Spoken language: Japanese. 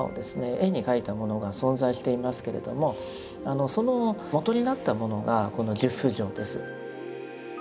絵に描いたものが存在していますけれどもその元になったものがこの十不浄です。